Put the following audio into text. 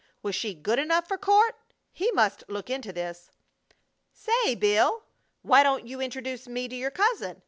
Was she good enough for Court? He must look into this. "Say, Bill, why don't you introduce me to your cousin?